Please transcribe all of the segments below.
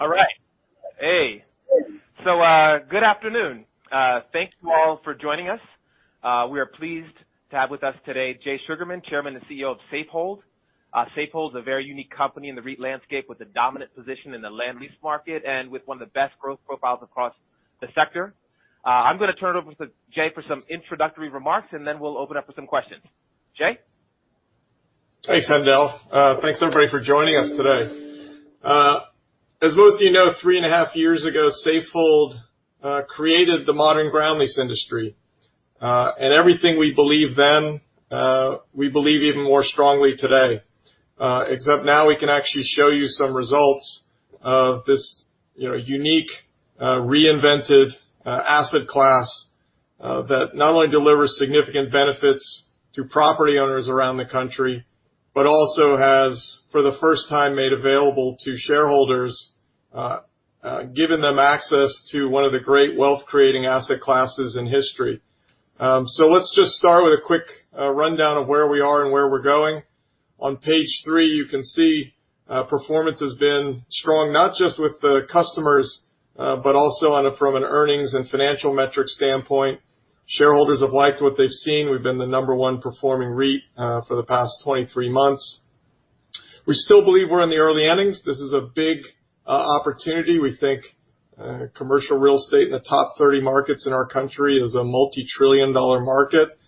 All right. Hey. Good afternoon. Thank you all for joining us. We are pleased to have with us today, Jay Sugarman, Chairman and CEO of Safehold. Safehold is a very unique company in the REIT landscape with a dominant position in the ground lease market, and with one of the best growth profiles across the sector. I'm going to turn it over to Jay for some introductory remarks, and then we'll open up for some questions. Jay? Thanks, Haendel. Thanks, everybody, for joining us today. As most of you know, 3.5 years ago, Safehold created the modern ground lease industry. Everything we believed then, we believe even more strongly today. Except now we can actually show you some results of this unique, reinvented asset class that not only delivers significant benefits to property owners around the country, but also has, for the first time, made available to shareholders, given them access to one of the great wealth-creating asset classes in history. Let's just start with a quick rundown of where we are and where we're going. On page three, you can see performance has been strong, not just with the customers, but also from an earnings and financial metrics standpoint. Shareholders have liked what they've seen. We've been the number one performing REIT for the past 23 months. We still believe we're in the early innings. This is a big opportunity. We think commercial real estate in the top 30 markets in our country is a multi-trillion-dollar market.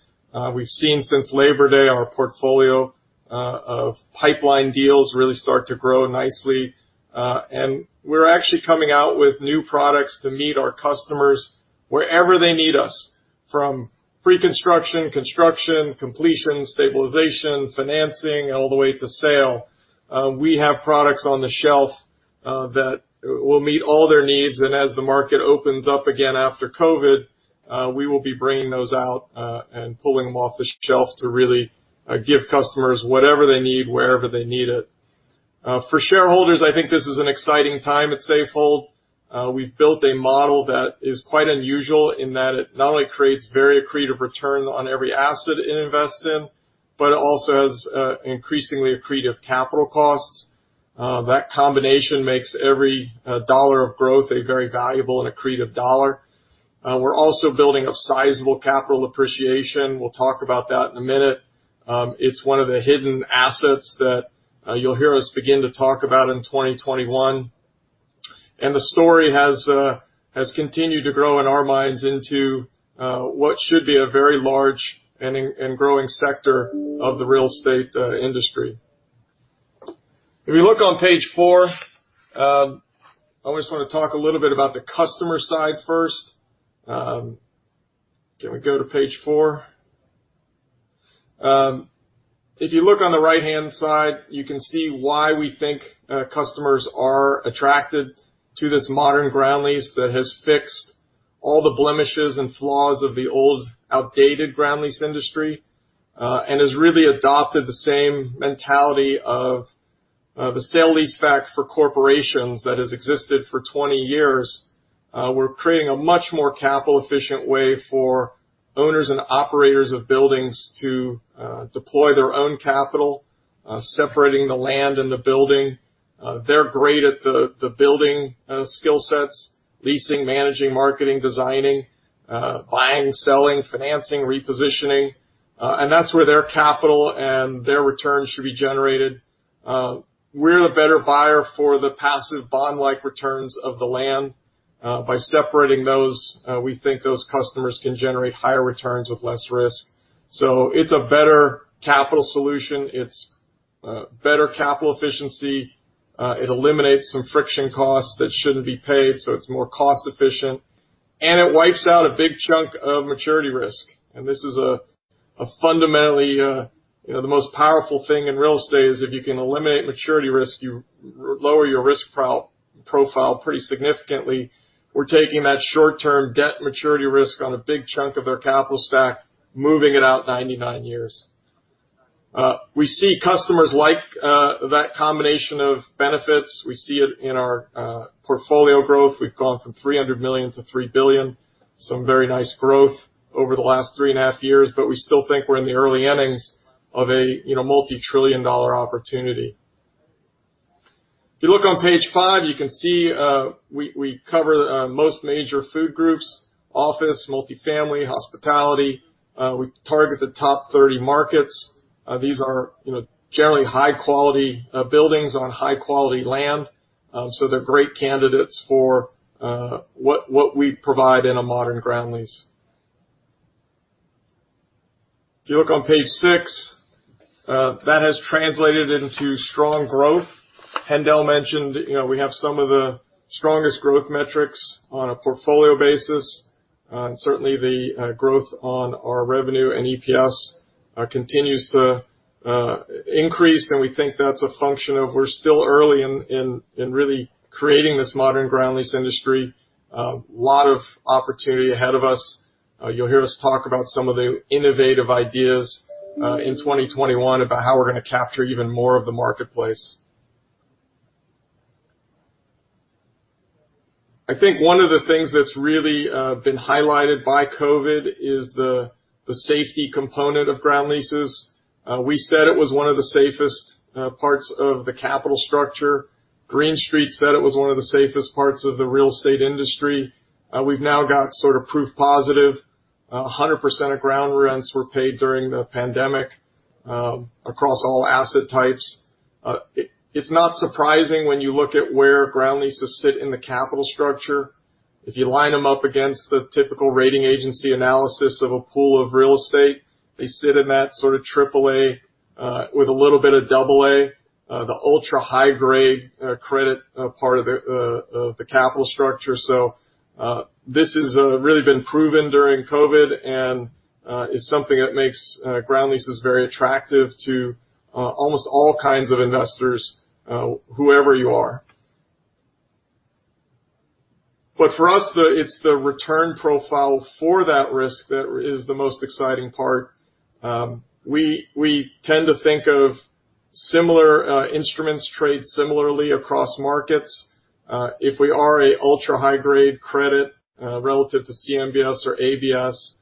We've seen since Labor Day our portfolio of pipeline deals really start to grow nicely. We're actually coming out with new products to meet our customers wherever they need us, from pre-construction, construction, completion, stabilization, financing, all the way to sale. We have products on the shelf that will meet all their needs, and as the market opens up again after COVID, we will be bringing those out and pulling them off the shelf to really give customers whatever they need, wherever they need it. For shareholders, I think this is an exciting time at Safehold. We've built a model that is quite unusual in that it not only creates very accretive return on every asset it invests in, but it also has increasingly accretive capital costs. That combination makes every dollar of growth a very valuable and accretive dollar. We're also building up sizable capital appreciation. We'll talk about that in a minute. It's one of the hidden assets that you'll hear us begin to talk about in 2021. The story has continued to grow in our minds into what should be a very large and growing sector of the real estate industry. If you look on page four, I just want to talk a little bit about the customer side first. Can we go to page four? If you look on the right-hand side, you can see why we think customers are attracted to this modern ground lease that has fixed all the blemishes and flaws of the old, outdated ground lease industry, and has really adopted the same mentality of the sale-leaseback for corporations that has existed for 20 years. We're creating a much more capital-efficient way for owners and operators of buildings to deploy their own capital, separating the land and the building. They're great at the building skill sets, leasing, managing, marketing, designing, buying, selling, financing, repositioning. That's where their capital and their returns should be generated. We're the better buyer for the passive bond-like returns of the land. By separating those, we think those customers can generate higher returns with less risk. It's a better capital solution. It's better capital efficiency. It eliminates some friction costs that shouldn't be paid, so it's more cost-efficient. It wipes out a big chunk of maturity risk. This is a fundamentally the most powerful thing in real estate is if you can eliminate maturity risk, you lower your risk profile pretty significantly. We're taking that short-term debt maturity risk on a big chunk of their capital stack, moving it out 99 years. We see customers like that combination of benefits. We see it in our portfolio growth. We've gone from $300 million-$3 billion. Some very nice growth over the last 3.5 years, but we still think we're in the early innings of a multi-trillion-dollar opportunity. If you look on page five, you can see we cover most major food groups, office, multifamily, hospitality. We target the top 30 markets. These are generally high-quality buildings on high-quality land. They're great candidates for what we provide in a modern ground lease. If you look on page six, that has translated into strong growth. Haendel mentioned we have some of the strongest growth metrics on a portfolio basis. Certainly, the growth on our revenue and EPS continues to increase, and we think that's a function of we're still early in really creating this modern ground lease industry. A lot of opportunity ahead of us. You'll hear us talk about some of the innovative ideas in 2021 about how we're going to capture even more of the marketplace. I think one of the things that's really been highlighted by COVID is the safety component of ground leases. We said it was one of the safest parts of the capital structure. Green Street said it was one of the safest parts of the real estate industry. We've now got sort of proof positive. 100% of ground rents were paid during the pandemic across all asset types. It's not surprising when you look at where ground leases sit in the capital structure. If you line them up against the typical rating agency analysis of a pool of real estate, they sit in that sort of AAA with a little bit of AA, the ultra-high-grade credit part of the capital structure. This has really been proven during COVID and is something that makes ground leases very attractive to almost all kinds of investors, whoever you are. For us, it's the return profile for that risk that is the most exciting part. We tend to think of similar instruments trade similarly across markets. If we are an ultra high-grade credit relative to CMBS or ABS,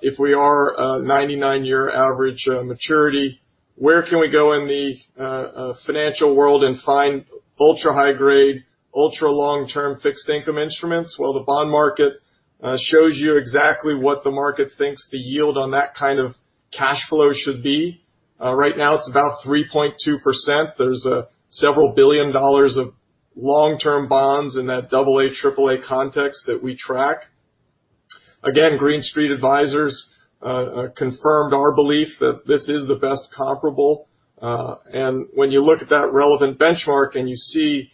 if we are a 99-year average maturity, where can we go in the financial world and find ultra high-grade, ultra long-term fixed income instruments? Well, the bond market shows you exactly what the market thinks the yield on that kind of cash flow should be. Right now, it's about 3.2%. There's several billion dollars of long-term bonds in that AA, AAA context that we track. Green Street Advisors confirmed our belief that this is the best comparable. When you look at that relevant benchmark and you see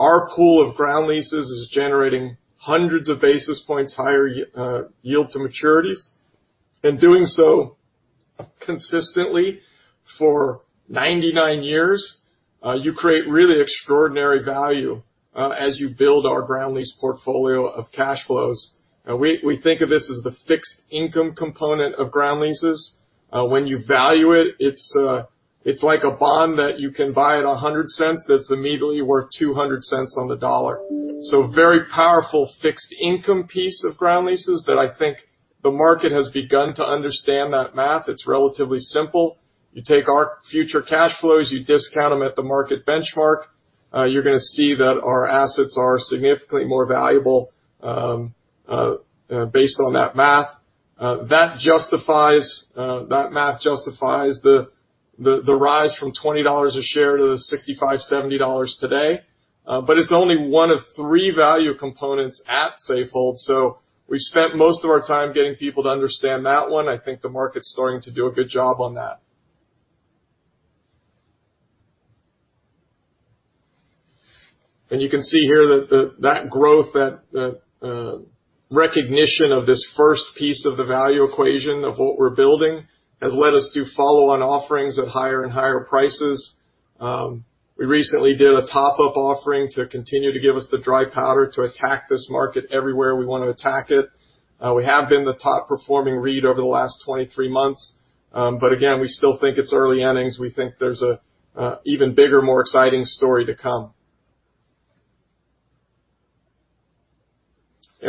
our pool of ground leases is generating hundreds of basis points higher yield to maturities and doing so consistently for 99 years, you create really extraordinary value as you build our ground lease portfolio of cash flows. We think of this as the fixed income component of ground leases. When you value it's like a bond that you can buy at $1.00 that's immediately worth $2.00 on the dollar. Very powerful fixed income piece of ground leases that I think the market has begun to understand that math. It's relatively simple. You take our future cash flows, you discount them at the market benchmark. You're going to see that our assets are significantly more valuable based on that math. That math justifies the rise from $20 a share to the $65, $70 today. It's only one of three value components at Safehold, so we've spent most of our time getting people to understand that one. I think the market's starting to do a good job on that. You can see here that growth, that recognition of this first piece of the value equation of what we're building has led us to follow on offerings at higher and higher prices. We recently did a top-up offering to continue to give us the dry powder to attack this market everywhere we want to attack it. We have been the top-performing REIT over the last 23 months. Again, we still think it's early innings. We think there's an even bigger, more exciting story to come.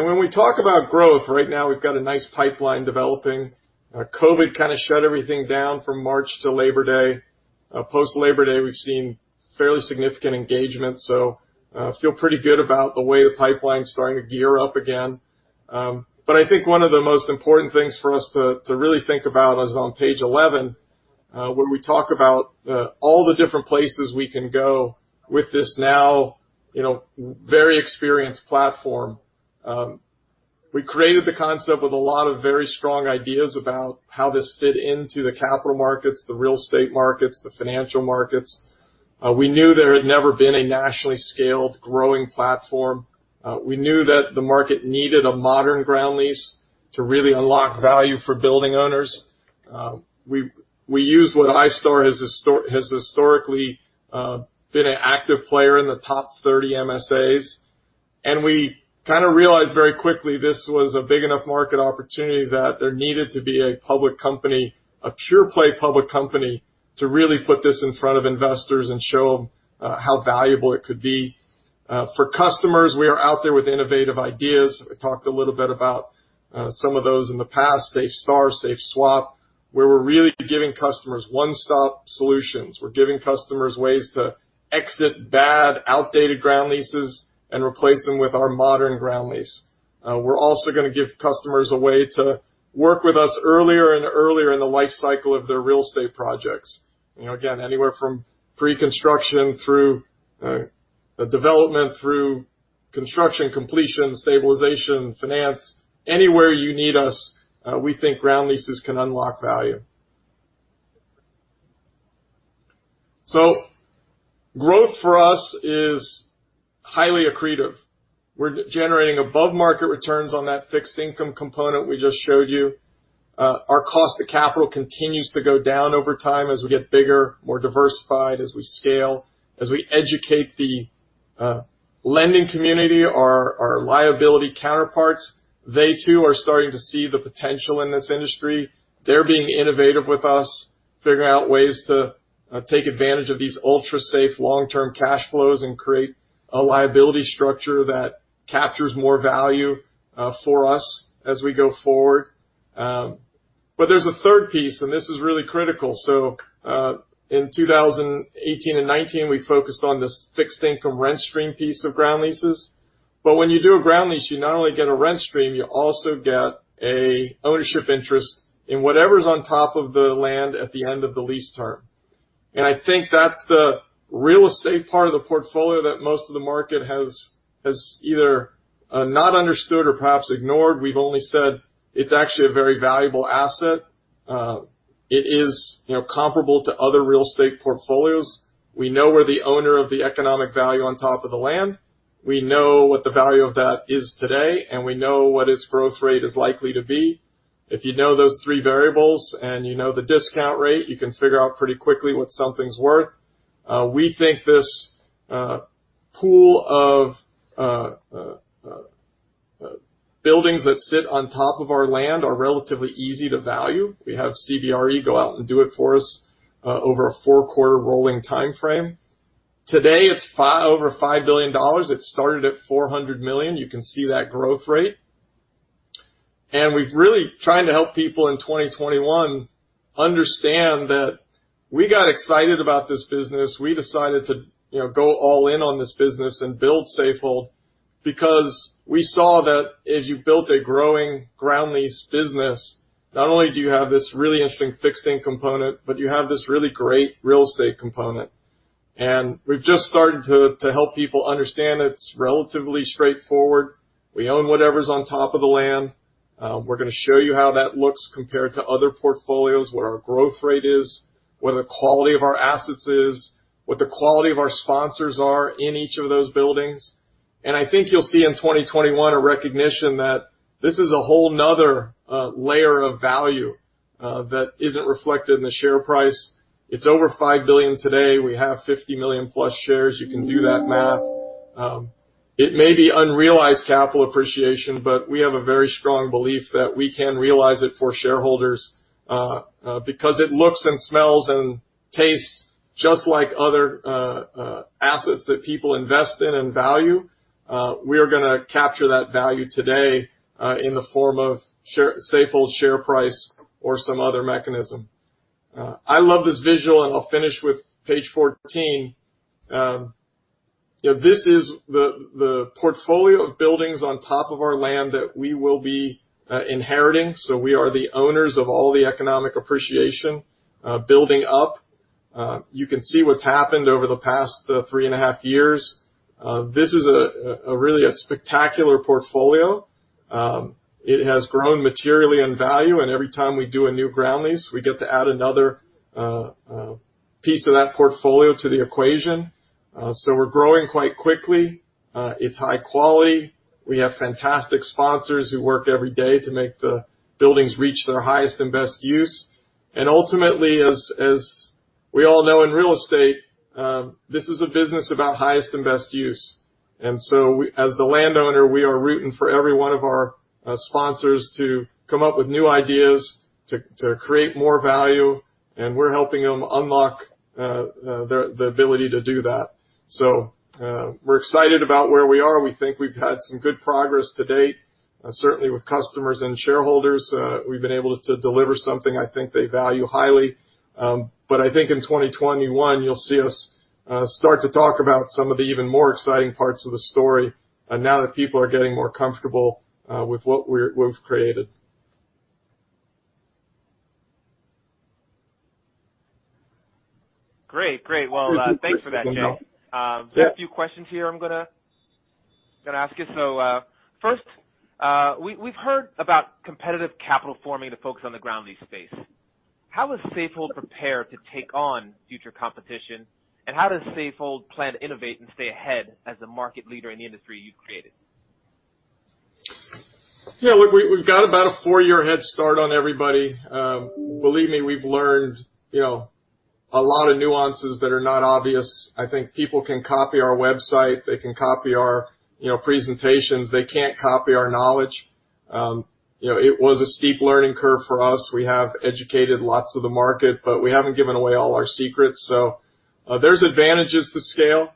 When we talk about growth, right now we've got a nice pipeline developing. COVID kind of shut everything down from March to Labor Day. Post Labor Day, we've seen fairly significant engagement, so feel pretty good about the way the pipeline's starting to gear up again. I think one of the most important things for us to really think about is on page 11, where we talk about all the different places we can go with this now very experienced platform. We created the concept with a lot of very strong ideas about how this fit into the capital markets, the real estate markets, the financial markets. We knew there had never been a nationally scaled growing platform. We knew that the market needed a modern ground lease to really unlock value for building owners. We used what iStar has historically been an active player in the top 30 MSAs, and we kind of realized very quickly this was a big enough market opportunity that there needed to be a public company, a pure play public company, to really put this in front of investors and show them how valuable it could be. For customers, we are out there with innovative ideas. I talked a little bit about some of those in the past, SafeStar, SAFE x SWAP, where we're really giving customers one-stop solutions. We're giving customers ways to exit bad, outdated ground leases and replace them with our modern ground lease. We're also going to give customers a way to work with us earlier and earlier in the life cycle of their real estate projects. Again, anywhere from pre-construction through development through construction, completion, stabilization, finance, anywhere you need us, we think ground leases can unlock value. Growth for us is highly accretive. We're generating above-market returns on that fixed income component we just showed you. Our cost of capital continues to go down over time as we get bigger, more diversified, as we scale, as we educate the lending community, our liability counterparts. They too are starting to see the potential in this industry. They're being innovative with us, figuring out ways to take advantage of these ultra-safe long-term cash flows and create a liability structure that captures more value for us as we go forward. There's a third piece, and this is really critical. In 2018 and 2019, we focused on this fixed income rent stream piece of ground leases. When you do a ground lease, you not only get a rent stream, you also get an ownership interest in whatever's on top of the land at the end of the lease term. I think that's the real estate part of the portfolio that most of the market has either not understood or perhaps ignored. We've only said it's actually a very valuable asset. It is comparable to other real estate portfolios. We know we're the owner of the economic value on top of the land. We know what the value of that is today, and we know what its growth rate is likely to be. If you know those three variables and you know the discount rate, you can figure out pretty quickly what something's worth. We think this pool of buildings that sit on top of our land are relatively easy to value. We have CBRE go out and do it for us over a four-quarter rolling timeframe. Today, it's over $5 billion. It started at $400 million. You can see that growth rate. We've really trying to help people in 2021 understand that we got excited about this business. We decided to go all in on this business and build Safehold because we saw that as you built a growing ground lease business, not only do you have this really interesting fixed income component, but you have this really great real estate component. We've just started to help people understand it's relatively straightforward. We own whatever's on top of the land. We're going to show you how that looks compared to other portfolios, what our growth rate is, what the quality of our assets is, what the quality of our sponsors are in each of those buildings. I think you'll see in 2021, a recognition that this is a whole another layer of value that isn't reflected in the share price. It's over $5 billion today. We have 50 million+ shares. You can do that math. It may be unrealized capital appreciation, but we have a very strong belief that we can realize it for shareholders because it looks and smells, and tastes just like other assets that people invest in and value. We are going to capture that value today in the form of Safehold share price or some other mechanism. I love this visual, and I'll finish with page 14. This is the portfolio of buildings on top of our land that we will be inheriting. We are the owners of all the economic appreciation building up. You can see what's happened over the past 3.5 years. This is really a spectacular portfolio. It has grown materially in value, and every time we do a new ground lease, we get to add another piece of that portfolio to the equation. We're growing quite quickly. It's high quality. We have fantastic sponsors who work every day to make the buildings reach their highest and best use. Ultimately, as we all know in real estate, this is a business about highest and best use. As the landowner, we are rooting for every one of our sponsors to come up with new ideas to create more value, and we're helping them unlock the ability to do that. We're excited about where we are. We think we've had some good progress to date, certainly with customers and shareholders. We've been able to deliver something I think they value highly. I think in 2021, you'll see us start to talk about some of the even more exciting parts of the story now that people are getting more comfortable with what we've created. Great. Well, thanks for that, Jay. Yeah. There are a few questions here I'm going to ask you. First, we've heard about competitive capital forming to focus on the ground lease space. How is Safehold prepared to take on future competition, and how does Safehold plan to innovate and stay ahead as the market leader in the industry you've created? Yeah, we've got about a four-year head start on everybody. Believe me, we've learned a lot of nuances that are not obvious. I think people can copy our website. They can copy our presentations. They can't copy our knowledge. It was a steep learning curve for us. We have educated lots of the market, we haven't given away all our secrets. There's advantages to scale.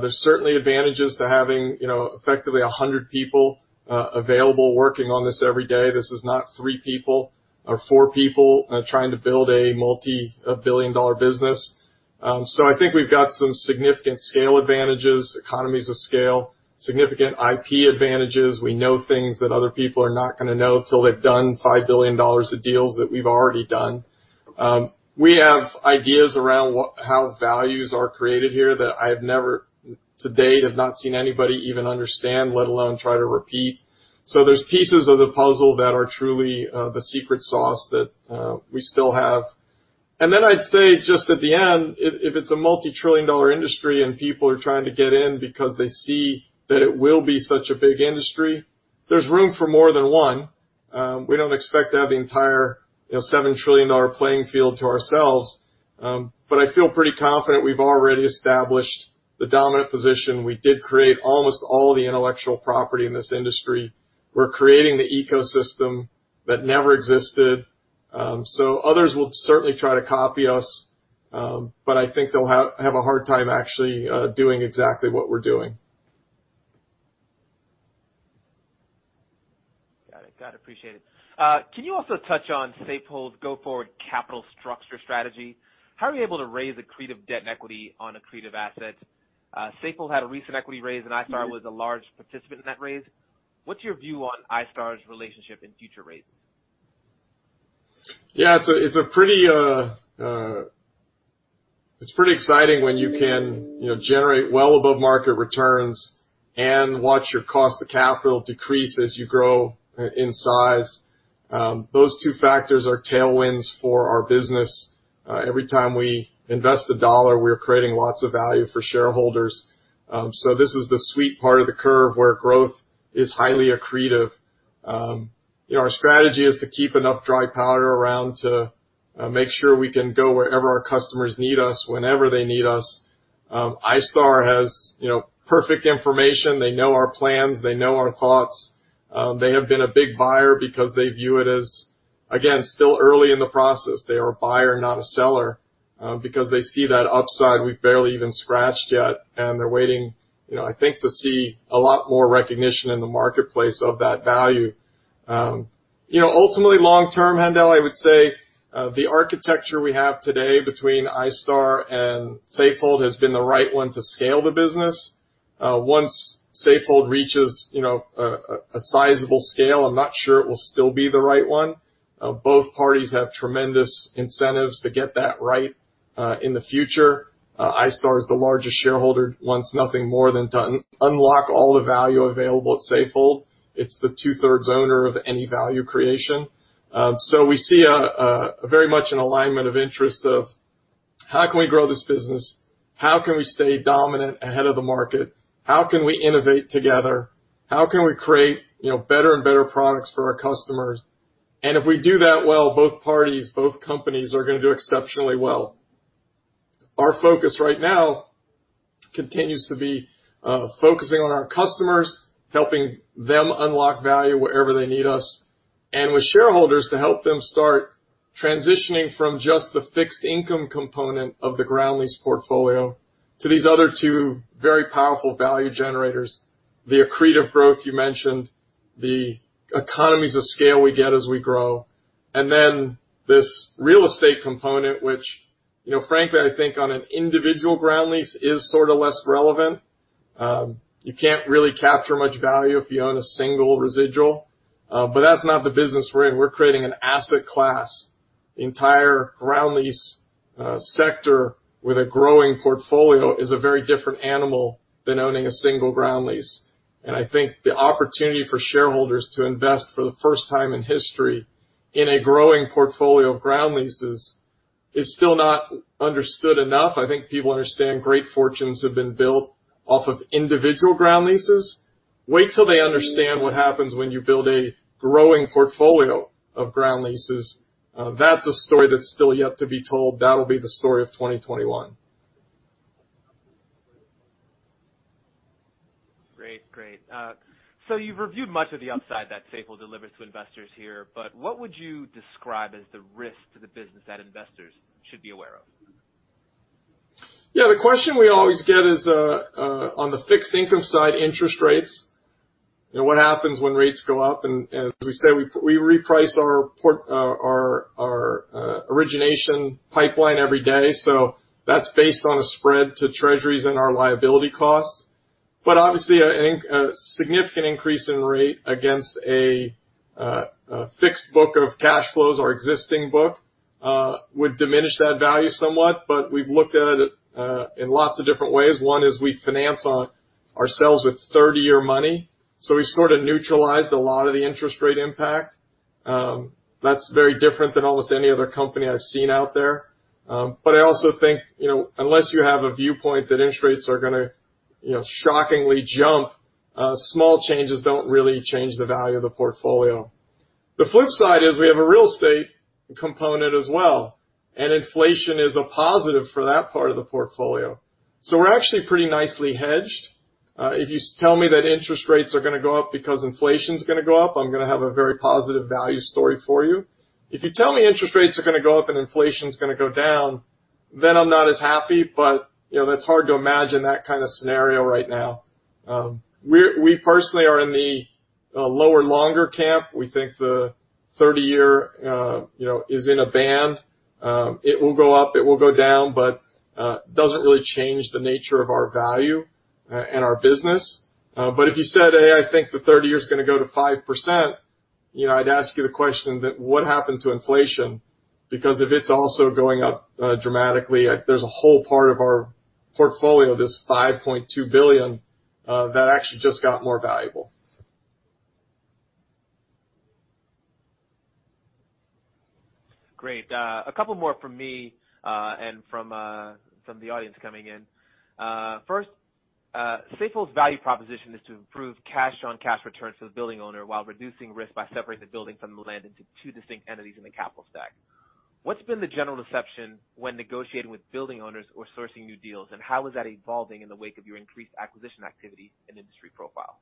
There's certainly advantages to having effectively 100 people available working on this every day. This is not three people or four people trying to build a multi-billion-dollar business. I think we've got some significant scale advantages, economies of scale, significant IP advantages. We know things that other people are not going to know till they've done $5 billion of deals that we've already done. We have ideas around how values are created here that I have never, to date, seen anybody even understand, let alone try to repeat. There's pieces of the puzzle that are truly the secret sauce that we still have. I'd say, just at the end, if it's a multi-trillion-dollar industry and people are trying to get in because they see that it will be such a big industry, there's room for more than one. We don't expect to have the entire $7 trillion playing field to ourselves. I feel pretty confident we've already established the dominant position. We did create almost all the intellectual property in this industry. We're creating the ecosystem that never existed. Others will certainly try to copy us, but I think they'll have a hard time actually doing exactly what we're doing. Got it. Appreciate it. Can you also touch on Safehold's go-forward capital structure strategy? How are you able to raise accretive debt and equity on accretive assets? Safehold had a recent equity raise, and iStar was a large participant in that raise. What's your view on iStar's relationship in future raises? Yeah. It's pretty exciting when you can generate well above market returns and watch your cost of capital decrease as you grow in size. Those two factors are tailwinds for our business. Every time we invest $1, we're creating lots of value for shareholders. This is the sweet part of the curve where growth is highly accretive. Our strategy is to keep enough dry powder around to make sure we can go wherever our customers need us, whenever they need us. iStar has perfect information. They know our plans. They know our thoughts. They have been a big buyer because they view it as, again, still early in the process. They are a buyer, not a seller, because they see that upside we've barely even scratched yet, and they're waiting, I think, to see a lot more recognition in the marketplace of that value. Ultimately long-term, Haendel, I would say the architecture we have today between iStar and Safehold has been the right one to scale the business. Once Safehold reaches a sizable scale, I'm not sure it will still be the right one. Both parties have tremendous incentives to get that right in the future. iStar is the largest shareholder, wants nothing more than to unlock all the value available at Safehold. It's the 2/3 owner of any value creation. We see very much an alignment of interests of how can we grow this business, how can we stay dominant ahead of the market, how can we innovate together, how can we create better and better products for our customers? If we do that well, both parties, both companies are going to do exceptionally well. Our focus right now continues to be focusing on our customers, helping them unlock value wherever they need us. With shareholders, to help them start transitioning from just the fixed income component of the ground lease portfolio to these other two very powerful value generators, the accretive growth you mentioned, the economies of scale we get as we grow. Then this real estate component, which frankly, I think on an individual ground lease is sort of less relevant. You can't really capture much value if you own a single residual. That's not the business we're in. We're creating an asset class. The entire ground lease sector with a growing portfolio is a very different animal than owning a single ground lease. I think the opportunity for shareholders to invest for the first time in history in a growing portfolio of ground leases is still not understood enough. I think people understand great fortunes have been built off of individual ground leases. Wait till they understand what happens when you build a growing portfolio of ground leases. That's a story that's still yet to be told. That'll be the story of 2021. Great. You've reviewed much of the upside that Safehold delivers to investors here, but what would you describe as the risk to the business that investors should be aware of? Yeah, the question we always get is on the fixed income side, interest rates. What happens when rates go up? As we said, we reprice our origination pipeline every day. That's based on a spread to treasuries and our liability costs. Obviously, a significant increase in rate against a fixed book of cash flows or existing book would diminish that value somewhat. We've looked at it in lots of different ways. One is we finance ourselves with 30-year money, so we sort of neutralized a lot of the interest rate impact. That's very different than almost any other company I've seen out there. I also think, unless you have a viewpoint that interest rates are going to shockingly jump, small changes don't really change the value of the portfolio. If you said, "Hey, I think the 30-year is going to go to 5%," I'd ask you the question that what happened to inflation? Because if it's also going up dramatically, there's a whole part of our portfolio, this $5.2 billion, that actually just got more valuable. Great. A couple more from me and from the audience coming in. First, Safehold's value proposition is to improve cash-on-cash returns to the building owner while reducing risk by separating the building from the land into two distinct entities in the capital stack. What's been the general reception when negotiating with building owners or sourcing new deals, and how is that evolving in the wake of your increased acquisition activity and industry profile?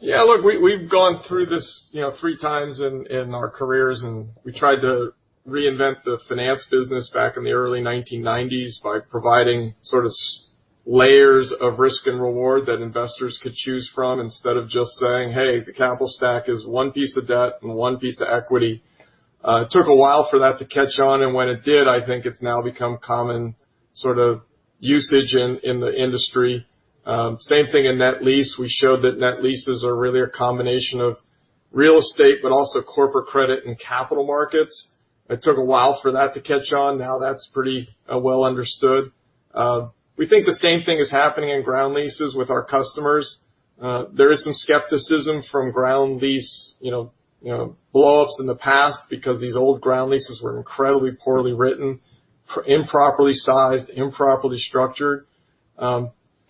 Yeah, look, we've gone through this three times in our careers, and we tried to reinvent the finance business back in the early 1990s by providing sort of layers of risk and reward that investors could choose from, instead of just saying, "Hey, the capital stack is one piece of debt and one piece of equity." It took a while for that to catch on, and when it did, I think it's now become common sort of usage in the industry. Same thing in net lease. We showed that net leases are really a combination of real estate but also corporate credit and capital markets. It took a while for that to catch on. Now that's pretty well understood. We think the same thing is happening in ground leases with our customers. There is some skepticism from ground lease blowups in the past because these old ground leases were incredibly poorly written, improperly sized, improperly structured.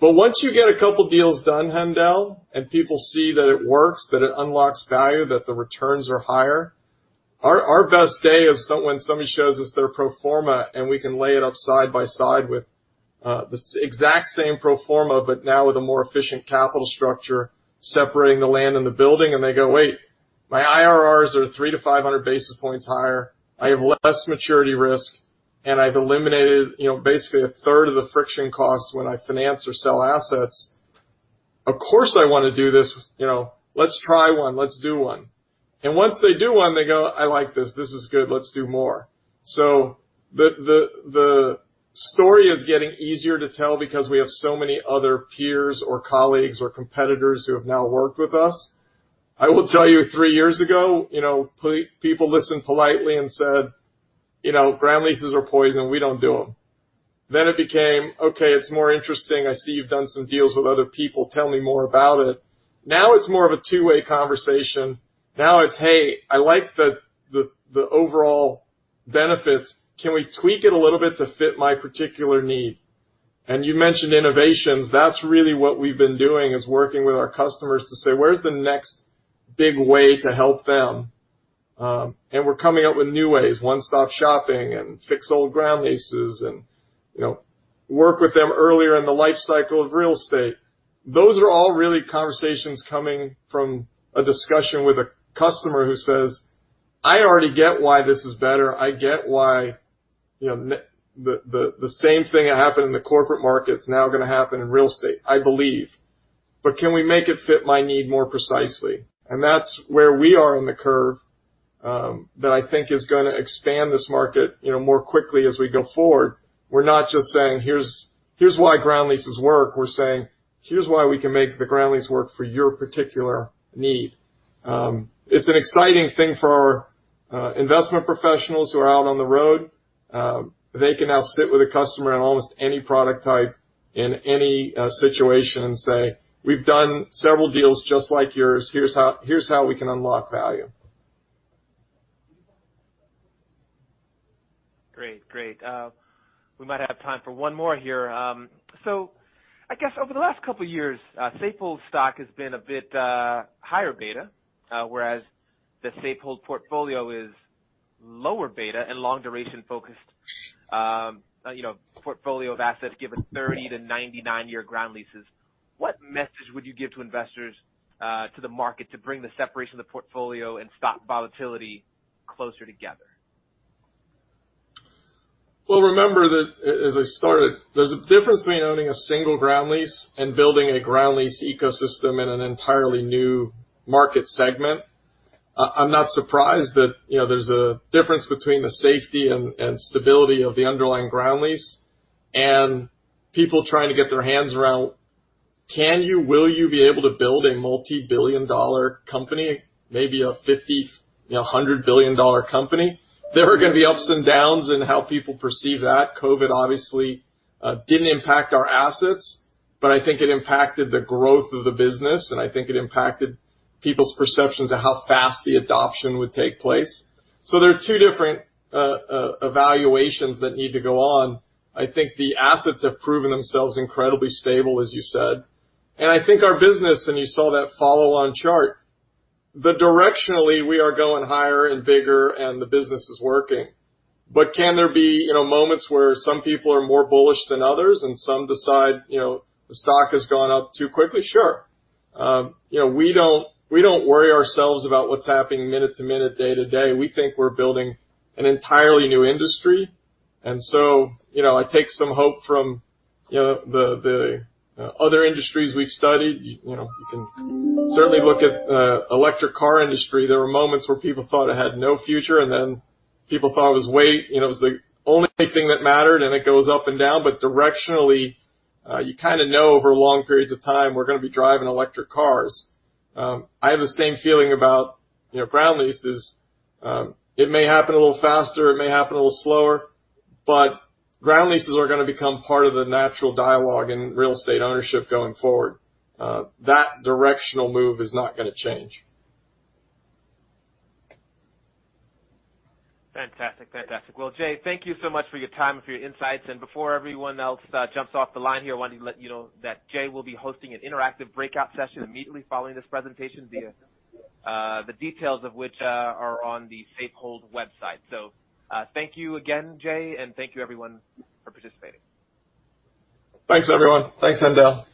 Once you get a couple deals done, Haendel, and people see that it works, that it unlocks value, that the returns are higher. Our best day is when somebody shows us their pro forma and we can lay it up side by side with the exact same pro forma, but now with a more efficient capital structure separating the land and the building, and they go, "Wait, my IRRs are 300-500 basis points higher. I have less maturity risk, I've eliminated basically a 1/3 of the friction cost when I finance or sell assets. Of course, I want to do this. Let's try one. Let's do one." Once they do one, they go, "I like this. This is good. Let's do more." The story is getting easier to tell because we have so many other peers or colleagues or competitors who have now worked with us. I will tell you, three years ago, people listened politely and said, "ground leases are poison. We don't do them." It became, "Okay, it's more interesting. I see you've done some deals with other people. Tell me more about it." Now it's more of a two-way conversation. Now it's, "Hey, I like the overall benefits. Can we tweak it a little bit to fit my particular need?" You mentioned innovations. That's really what we've been doing, is working with our customers to say, where's the next big way to help them? We're coming up with new ways, one-stop shopping and fix old ground leases and work with them earlier in the life cycle of real estate. Those are all really conversations coming from a discussion with a customer who says, "I already get why this is better. I get why the same thing that happened in the corporate market is now going to happen in real estate, I believe. Can we make it fit my need more precisely?" That's where we are on the curve, that I think is going to expand this market more quickly as we go forward. We're not just saying, "Here's why ground leases work." We're saying, "Here's why we can make the ground lease work for your particular need." It's an exciting thing for our investment professionals who are out on the road. They can now sit with a customer on almost any product type in any situation and say, "We've done several deals just like yours. Here's how we can unlock value. Great. We might have time for one more here. I guess over the last couple of years, Safehold's stock has been a bit higher beta, whereas the Safehold portfolio is lower beta and long-duration focused portfolio of assets, given 30-99-year ground leases. What message would you give to investors to the market to bring the separation of the portfolio and stock volatility closer together? Well, remember that as I started, there's a difference between owning a single ground lease and building a ground lease ecosystem in an entirely new market segment. I'm not surprised that there's a difference between the safety and stability of the underlying ground lease and people trying to get their hands around, can you/will you be able to build a multi-billion-dollar company, maybe a $50 billion, $100 billion company? There are going to be ups and downs in how people perceive that. COVID obviously didn't impact our assets, but I think it impacted the growth of the business, and I think it impacted people's perceptions of how fast the adoption would take place. There are two different evaluations that need to go on. I think the assets have proven themselves incredibly stable, as you said. I think our business, and you saw that follow-on chart, that directionally, we are going higher and bigger and the business is working. Can there be moments where some people are more bullish than others and some decide the stock has gone up too quickly? Sure. We don't worry ourselves about what's happening minute to minute, day to day. We think we're building an entirely new industry, I take some hope from the other industries we've studied. You can certainly look at the electric car industry. There were moments where people thought it had no future, people thought it was the only thing that mattered, it goes up and down. Directionally, you kind of know over long periods of time we're going to be driving electric cars. I have the same feeling about ground leases. It may happen a little faster, it may happen a little slower, but ground leases are going to become part of the natural dialogue in real estate ownership going forward. That directional move is not going to change. Fantastic. Well, Jay, thank you so much for your time and for your insights. Before everyone else jumps off the line here, I wanted to let you know that Jay will be hosting an interactive breakout session immediately following this presentation, the details of which are on the Safehold website. Thank you again, Jay, and thank you, everyone, for participating. Thanks, everyone. Thanks, Haendel.